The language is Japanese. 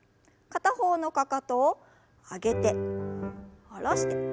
片方のかかとを上げて下ろして。